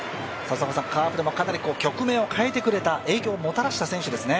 カープでも局面を変えてくれた、影響をもたらした選手ですね。